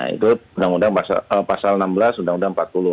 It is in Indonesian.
itu undang undang pasal enam belas undang undang empat puluh